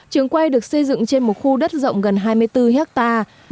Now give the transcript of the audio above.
trường quay được xây dựng trên một khu đất rộng gần hai mươi bốn hectare